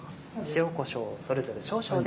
塩こしょうそれぞれ少々です。